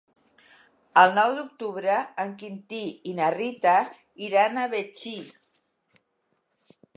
El nou d'octubre en Quintí i na Rita iran a Betxí.